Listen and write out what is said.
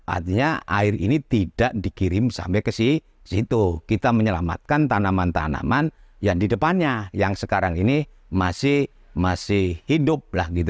artinya air ini tidak dikirim sampai ke situ kita menyelamatkan tanaman tanaman yang di depannya yang sekarang ini masih hidup